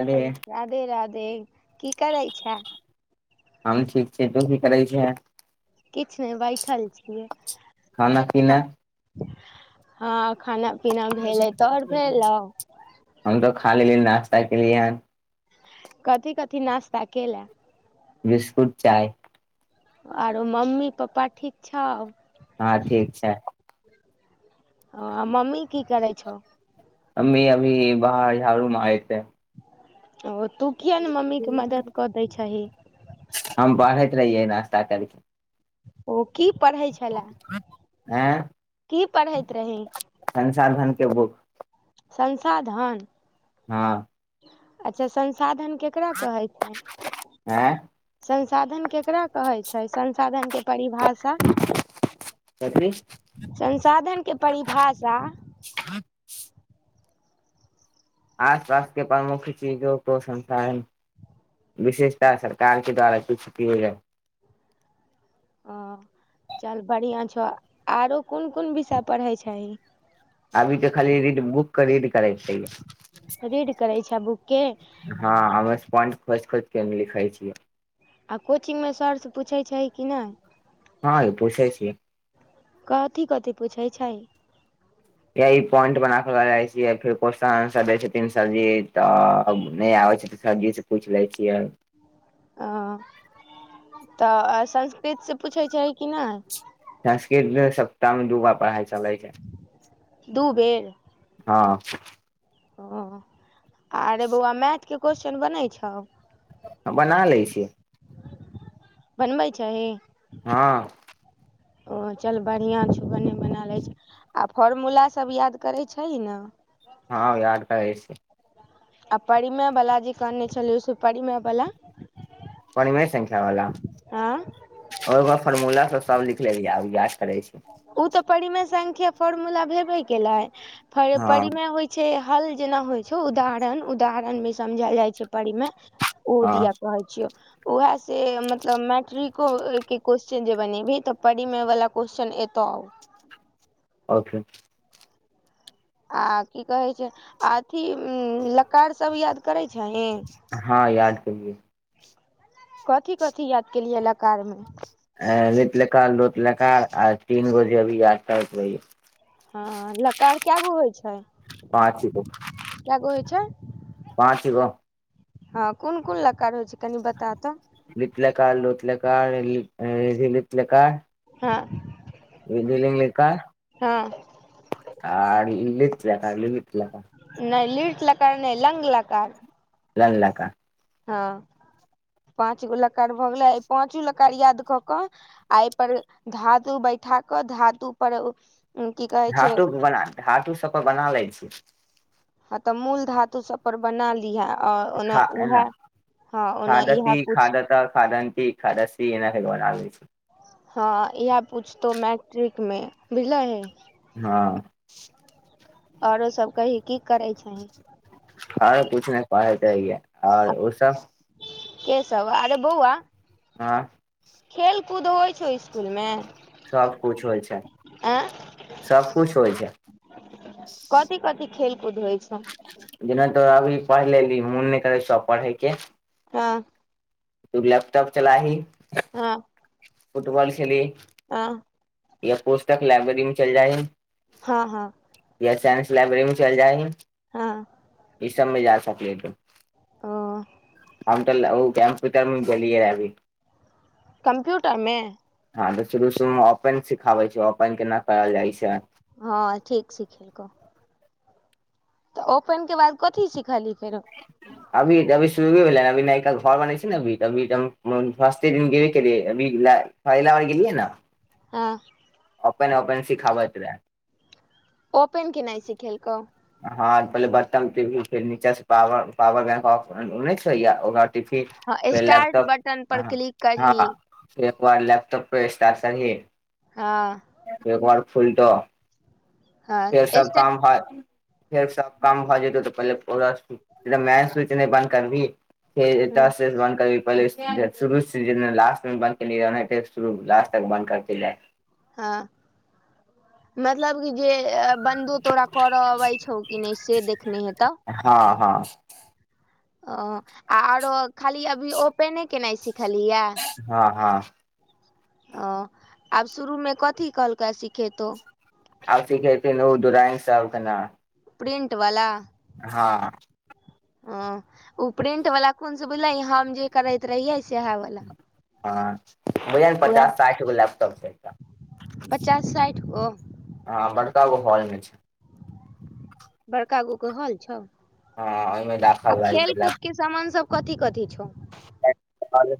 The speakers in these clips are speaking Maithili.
अरे राधे राधे की करै छै? हम ठीक छि तु कि करै छै किछ नए बैठल छियै खाना पीना हँ खाना पीना भेलै तोहर भेलौ हम तऽ खा लेलियै नास्ता के लेल। कथि कथि नास्ता केएला बिस्कुट चाय आरो मम्मी पप्पा ठीक छौ हँ ठीक छै ओ आ मम्मी की करै छौ मम्मी अभी बाहर झाड़ू मारय छथिन। ओ तू किया ने मम्मी के मदत कऽ दै छही हम बढ़ैत रहियै नास्ता करके ओ की पढ़ै छलए हे रही संसाधन के बुक संसाधन हँ अच्छा संसाधन केकरा कहै छै ऐं संसाधन केकरा कहे छै संसाधन के परिभाषा कथी संसाधन के परिभाषा आस पास के प्रमुख चीजों को संसाधन विशेषताः सरकार के द्वारा किछु किए जाय ओ चल बढ़िआँ छौ आरो कोन कोन विषय पढ़ै छैही अभी त खाली रीड बुक के रीड करै छीय रीड करै छै बुक के हँ अमे्पॉट खोज खोज के लिखाइ छियै आ कोचिंग मे सर से पूछै छैही कि नय हँ ये पोछै छियै कथी कथी पूछैय छही यए पॉइंट बना कऽ लऽ जाइत छियै, फेर क्वेश्चन-आंसर दैत छथिन सरजी, तऽ नहि आबैत छै। सरजी स पूछ लै छियैन अ तऽ संस्कृत से पूछै छहि कि नै संस्कृतोइ सप्तामे दुबार पढ़ाइ चलै। छै दुबेर हां अ अरे बौआ मैथ के कोसचन बनै छौ हाँ बना लै छियै बनबै छहि हां ओ चल बड़िया छौ भने बना लै छहि आ फॉरमुला सब याद करै छहि ने हाँ याद करै छियै आ परिमेबला जे कहने छलियै से परिमेबला परिमे संख्या बला हँ और फरमुला सब सब लिख लेलियै आब याद करै छीय उ तऽ परिमय संख्या फॉर्मूला भेबे केलै फर हँ परिमय होय छै, हल जेना होय छो उदाहरण, उदाहरण मे समझल जाय छै परिमेय ओ हँ दिया कहै छियौ। वाएह से मतलब मैट्रिको के कोसचन जे बनेभी तऽ परिमेय वला कोस चन एतौ। अच्छा। आ कि कहै छै अथी उम्म लकार सब याद करै छहि। हां याद केलियै। कथी-कथी याद केलि हे लकार मे। ए लीट् लकार, लोट् लकार आ तीनगो जे अभी याद [unintelligible] हां लकार काएगो होय छै। पाँचगो। काएगो होय छै। पाँचगो। हां कुन-कुन लकार होय छै कनि बता ते। लिट् लकार, लोट् लकार ली [unintelligible] लिट् लकार। हां। [unintelligible] लकार आर लिट् लकार लृलिट् लकार। नै लिट् लकार नै लंग लकार। लंग लकार। हां पाँचगो लकार भ गेलै, इ पांचो ल कार याद क कऽ आ ए पर धातु बैठा कऽ धातु पर उ धातु बला, धातु सब पे बना लै छी। हां तऽ मूल धातु सब पर बना लिहे। आ ओना सिखा एना। उएह हँ ओना इएह खादति, पूछ खादतः, खादन्ति, खादसि एना कैर के बनाबै छी। हां इहाए पुछतौ मैट्रिक मे बुझलहि। हां। औरो सब कहि कि करै छहि। आरो कुछ नै पढ़े-तढ़े रिहै आ और उ सब के सब आरे बौअवा हां। खेल-कुद होय छौ स्कूल मे। सब कुछ होय छै, सब कुछ होय छै। कथि-कथि खेलकूद होय छौ। जेना तु अभी पढ़ लेलहि मुन नै करै छौ आब पड़हैके। हां। तू लैपटॉप चलाही। हां। फुटबॉल खेली। आ। या पुस्तक लाइब्रेरी मे चैल जाएही। हां-हां। या साइंस लाइब्रेरी मे चैल जाएही। हां। ई सबमे जा सकले क अं। हम तऽ कैम्पपरमे गेल रहिये अभी। कम्प्यूटरमे हँ तऽ शुरू शुरूमे ओपन सिखाबै छैय ओपन केना करल जाइ छैय। हँ ठीक सिखेलकौ। तऽ ओपन के बाद कथी सिखली फेरो। अभी अभी शुरूये भेलेये अभी नइका घर बनै छैय ने अभी अभी फस्टे दिन गेेबे कर लिये अभी। फाइल आने ले गेलियै न। हँ। अपन अपन सिखाबत रहै। ओपेन केनइ सिखेलको। हँ पहिले बर्न पे भी फेर नीच से प पर बैंकऑ हो फि फी हँ फेर स्टार्ट लेपटॉप बटन पर हँ क्लिक करही हँ। एकबार लेपटॉप पे स्टारस ही। हँ। एक बार फुलटो फेर हँ सब स्टार्ट काम ह फेर सब काम भऽ जेतौ तऽ पहिले ओकरा मैन सच नहि बन्द करबही। फेर हूँ एतासे बन करी। पहले शुरू से लास्ट मे ब क श लास्ट तक बन्द करत रहै। हँ मतलब कि जे बन्दु तोरा करऽ अबै छौ की नहि से देखने हेतऽ। हँ हँ। अ आरो खाली अभी ओपेने केनाइ सिखलीेये। हँ हँ। ओ आब शुरूमे कथी कहलकै सिखेतहु। आब सिखेतुन उ ड्राइंग सब केना। प्रिंट वला। हँ। हँ ओ प्रिंट वाला कोन से बुझले हम जे करेैत रहिये। सेहा वला। हँ बुझो ने उएह पचास साठि गो लैपटॉप छैय इकरा। पचास साठि गो। हँ बड़का गो हॉलमे छैय। बड़का गो के हॉल छौ। हँ ओहिमे आ राखल रहै खेल छैय कूद लैप के सामान सब कथी कथी छौ। हलो।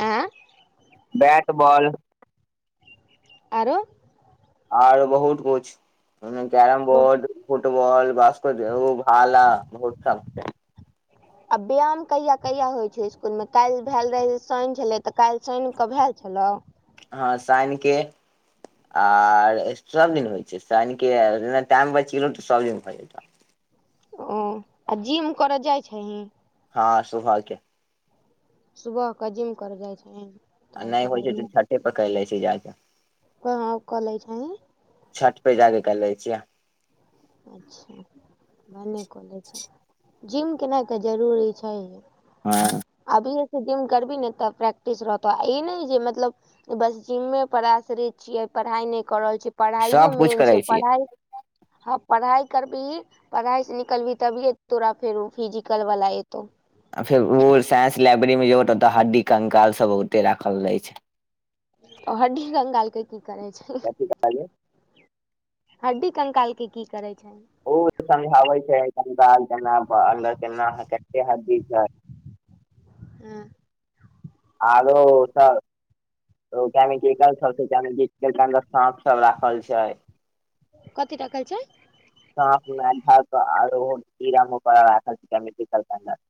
आँ। बैट बॉल आरो। आरो बहुत कुछु ओमे कैरम बोर्ड फुटबॉल बासकट एगो भाला बहुत सभ छैय। आ व्यायाम कहिया कहिया होइत छैय इसकुलमे काल्हि भेल रहै शनि छलै तऽ काल्हि शानि कऽ भेल छलै। हँ शनिके [inaudible] आर एक्स्ट्रा दिन होइ छै शनिके आ जेना टाइम बचि गेलै त सबदिन भ जेत। ओ आ जिम कर जाइ छहीं? हँ सुबह के। सुबह क जिम कर जाइ छहीन? आ नै होइ छै त छते पर कैर लै छिअइ जा के। कहां क लै छहीं? छत पर जाके कर लै छियै। अच्छा [inaudible] भने क लै छें। [inaudible] जिम केनाइ त जरूरी छैहे‌ हँ [inaudible] अभीए सं जिम करभी ने त प्रैक्टिस रहतौ। ई नै जे मतलब बस जिम्मे पर आश्रित छिअइ, पढ़ाई नै क रहल छी। पढ़ाइयो सब कुछ मेन करै छै छियै पढ़ाई पढ़ाई करबिही, पढ़ाई से निकलभी तभिए तोरा फेर ओ फिजिकल वाला एतौ। आ फेर ओ साइंस लाइब्रेरी मे जो त हड्डी कंकाल सब ओतै राखल रहै छै। ओ हड्डी कंकालके की करै छै? कथी कहलियै हड्डी कंकाल के की करै छै? ओ समझाबै छै कंकाल केना पर अन्दर केना केते हड्डी छै। हँ। आरो ओत [unintelligible] साँप सब राखल छै। [inaudible] कथी रखल छै? सांप, मेढ़क आरो कीड़ा मकौड़ा सब [unintelligible]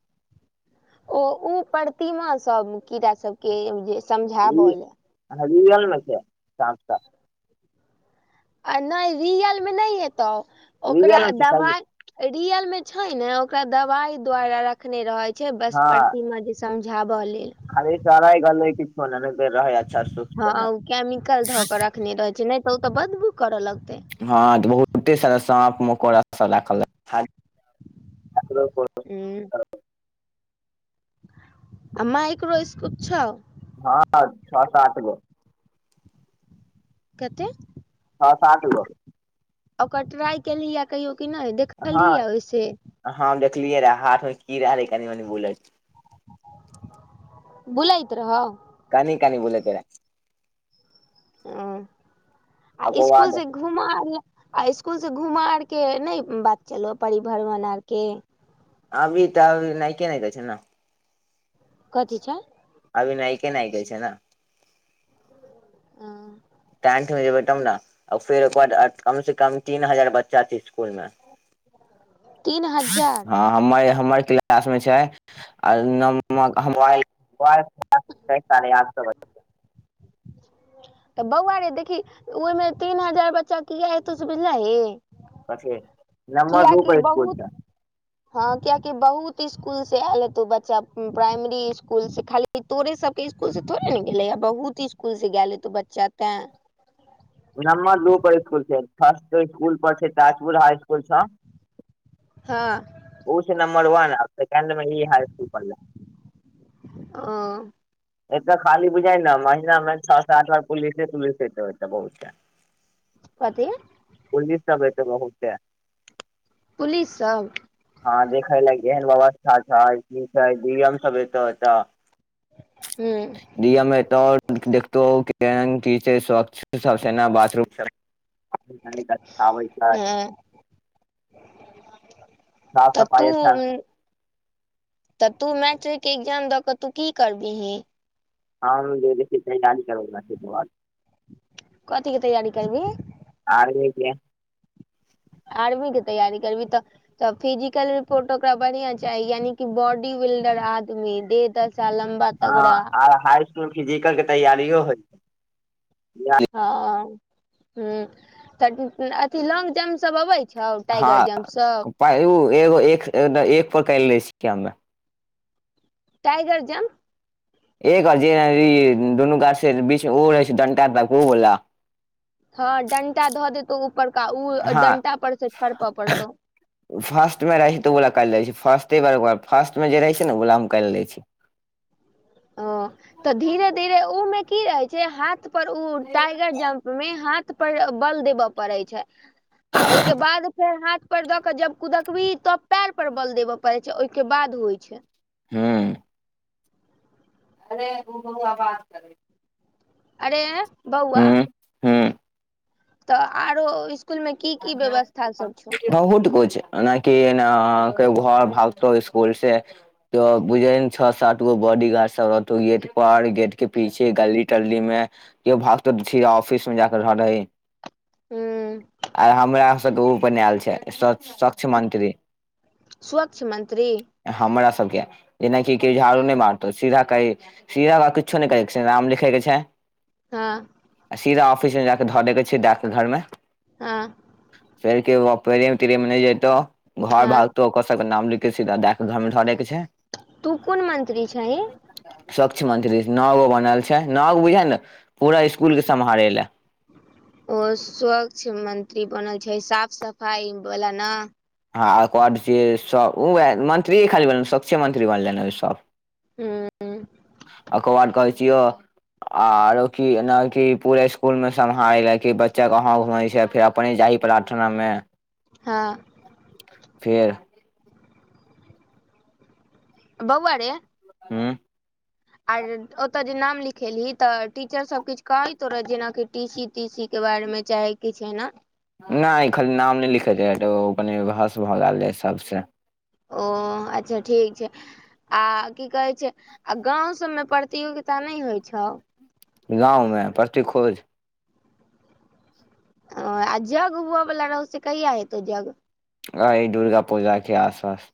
ओ, उ प्रतिमा सब कीड़ा सबके जे समझाब ले। हं रियलमे छै सांप सब। अ नै रियलमे नै हेतौ सब ओकरा रियल मे छै सही दवाइ रियल में छै ने ओकरा दवाई द्वारा रखने रहै छै बस हँ प्रतिमा जैस समझाब लेल। हँ [unintelligible] ओ केमिकल ध क रखने रहै छै नै त ओ त बदबू कर लगतै हँ बहुते सारा साँप मकोड़ा सब राखल रहै। [inaudible] [unintelligible] हुं। आ माइक्रो स्कोप छौ? हँ छ सात गो। कते? छ सात गो। [inaudible] ओकर ट्राई केलहीए कहियो कि नै देख हं [inaudible] हं देखलियै रहा हाथमे कीड़ा रहै कनी मनी बुलैत। बुलैत रहौ? कनी कनी बुलैते रहा। हं [inaudible] आ ओकर इसकुल बाद से घुम आर आ इसकूल स घुम आर के नै बात चललौ परिभरमण आर के? अभी त अबी नैके ने दै छै ने। कथी छै? अभी नाइके नाइके छै न। हं। [inaudible] टेंथ में जेबै तब न। आ फेर ओकर बाद कम से कम तीन हजार बच्चा छै इसकुल मे। तीन हजार? हँ हमर -हमर क्लास मे छै, आ नोंमा हं मोबाइल मोआयल। छय साढे आठ सौ बच्चा। तऽ बौआ रे देखी, ओहिमे तीन हजार बच्चा किये हेतेय से बुझलही कथी, नम्मर दू कियाकि पर स्कूल बहुत छै। हँ कियेकि बहुत स्कूल से आयल हेतो बच्चा, प्राइमरी स्कूल स खाली। ई तोरे सबके स्कुल से थोड़े ने गेले है, बहुत स्कुल से गेले हेतय बच्चा तें। नमर दू पर स्कुल छै, फर्स्ट स्कुल पर छय ताजपुर हाई स्कुल सब। हँऽ ओ छै नंबर वन आ सेकेंड में ई हाईकूल परलय। अंऽ एतऽ खाली बुझाय न महिनामे सात -आठ बार पुलिसे -पुलिसे चल छ बहुत टाइम। कथी पुलिस सब एते बहुते। पुलिससभ हँ देखेय ले, केहन व्यवस्था छै, की छै डी म सब एत अत। हूंउ डी एम ऐतो और देखतौ की केहन की छय, स्वच्छ सेना बाथरूम सब [unintelligible] आबै छय। हँ साफ त सफाइ तूंउ अच्छा तऽ तू मैट्रिक के एग्जाम दऽ कऽ, तू की करबही [unintelligible] कथी के तैयारी करबी। आर्मी के। आर्मी के तैयारी करबी तऽ तऽ फिजिकल रिपोर्ट ओकरा बढ़िया चाही, यानि की बॉडी बिल्डर आदमी दे दशा लम्बा हँ तगड़ा आर हाई स्कुल फिजिकल के तैयारियो होइ छय। हँऽ हुं तऽ अथी लौंग जम्प सब अबय छो टाइगर जम्प सब पाय एगो -एगो एक [unintelligible] टाइगर जम्प एकर जे दुनू गाछ से बीच ओ रहै छै डंटाद क वो बला। हं डंटा धऽ देतहु ऊपरका, उ हँ डंटा पर स छड़प पड़तौ। फास्टमे रहाय तऽ ओ बला कैल जाय छय, फर्स्टे बार फर्स्ट मे जे रहे छै ने, उ बला में कैल जाय छय। ओ तऽ धीरे धीरे उ मे की रहे छै, हाथ पर उ टाइगर जम्प मे हाथ पर बल देब पड़ै छै, आ ओहिके बाद फेर हाथ पर दक जब कुदकभी तब पैर पर बल देबे पड़े छै, ओहिके बाद उ होइ छै। उं अरे [unintelligible] अरे बौआ हुंउ तऽ आरो इस- हँ हुडको छै। ऐनाहकी न न घर भागतौ स्कुल से। त बुझयन छ सात गो बॉडीगार्ड सब रहतो गेट पर, गेट के पीछे गली- टली में। केओ भागतो छय ऑफिस मे जाक रह लय। हू आ हमरा सबके उ बनायल छै स सक्ष मंत्री। स्वच्छ मंत्री हमरा सबके जेनाकि कि झाड़ू नहि मारतौ सीधा कही [inaudible] किछो नहि करै छै नाम लिखे के छै। हँ। आ सीधा ऑफिस मे जा के धऽ दे के छै डाक घरमे। आँ। फर के बर तरे मिन जेतौ घर हँ भागतौ। ओक सब के नाम लिख कऽ सीधा डॉक घर मे घऽ दय के छै। तू कुन मंत्री छही? स्वच्छ मंत्री नओ गो बनल छै नओ गो बुझ ने पूरा स्कूल के सम्हारे ले। ओ स्वच्छ मंत्री बनल छै साफ सफाई वला न? हँ कर बाद जे सब मंत्री खाली बन स्वच्छ मंत्री बनले सभ। हूँ हूँ। ओकर बाद कहै छियौ। आरो की ने की पूरा स्कूल मे सम्हाराय ले कि बच्चा कहं घुम छै फेर अपने जाही प्रार्थनामे। हँ। फेर। बौउआ रे। हूं। आर ओतय जे नाम लिखेलही तऽ टीचरसभ किछ कहैतो रहत जेनाकि टी सी ती सी के बारे मे चाहे किछ एना? नहि खाली नाम नहि लिखैत छै ओ कनि बहस भऽ गेल रहै सबसे। ओ अच्छा ठीक छै। आ की कहे छै आ गांव सबमे प्रतियोगिता नहि होइ छौ? गाँवमे प्रति खोज। ओ आ जग हुउ बला रह से्य कहिया हेतो जग? आइ दुर्गा पूजाके आस पास।